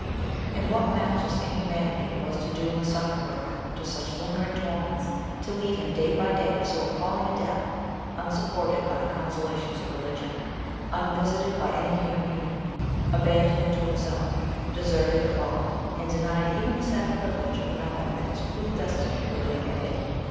And what matchless inhumanity it was to doom the sufferer to such lingering tor ments— to lead him day by day to RO appalling a death, unsupported la the consolations of religion, unvisited by any human being, abandoned to himself, deserted ofs all, and denied even the sad privilege of knowin that his cruel destiny would awaken pity!